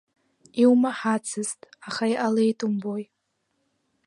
Иумаҳацызт, аха иҟалеит умбои!